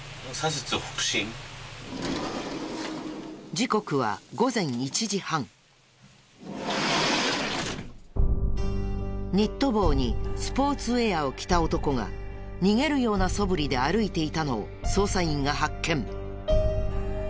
時刻はニット帽にスポーツウェアを着た男が逃げるようなそぶりで歩いていたのを捜査員が発見。